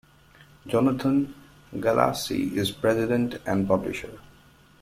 Jonathan Galassi is president and publisher.